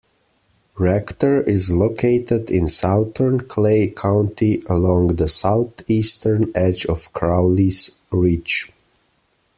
Rector is located in southern Clay County along the southeastern edge of Crowley's Ridge.